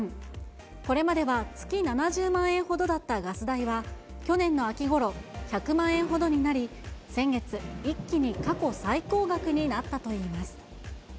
これまでは月７０万円ほどだったガス代は、去年の秋ごろ、１００万円ほどになり、先月、一気に過去最高額になったといいます。